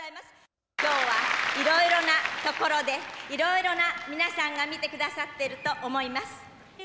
今日はいろいろなところでいろいろな皆さんが見てくださっていると思います。